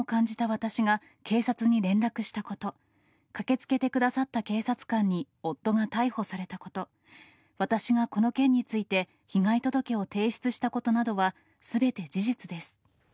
私が警察に連絡したこと、駆けつけてくださった警察官に夫が逮捕されたこと、私がこの件について、被害届を提出したことなどは、すべて事実です。